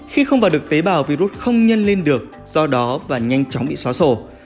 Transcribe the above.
khi không vào được tế bào virus không nhân lên được do đó và nhanh chóng bị xóa sổ